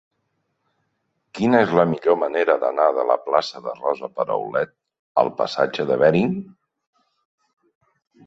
Quina és la millor manera d'anar de la plaça de Rosa Peraulet al passatge de Bering?